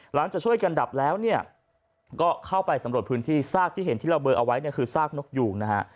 หลังจากช่วยกันดับแล้วเนี่ยก็เข้าไปสำรวจพื้นที่ซากที่เห็นที่เราเบอร์เอาไว้เนี่ยคือซากนกยูงนะฮะ